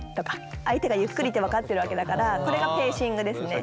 相手がゆっくりって分かってるわけだからこれがペーシングですね。